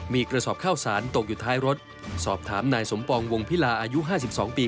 มีกระสอบข้าวสารตกอยู่ท้ายรถสอบถามนายสมปองวงพิลาอายุ๕๒ปี